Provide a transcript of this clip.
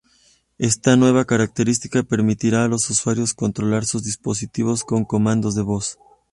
Esta nueva característica permitirá a los usuarios controlar sus dispositivos con comandos de voz.